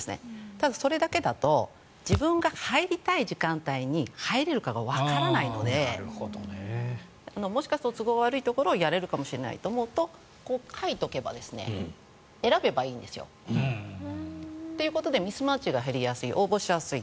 ただ、それだけだと自分が入りたい時間帯に入れるかがわからないのでもしかすると都合が悪い時間をやれるかもしれないと考えるとこう書いておけば選べばいいんですよ。ということでミスマッチが減りやすい応募しやすい。